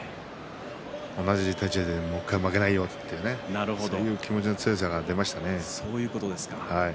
同じ立ち合いでもう１回、負けないよそういう気持ちの強さが出ましたね。